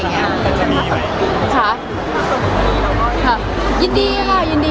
ไม่ีนา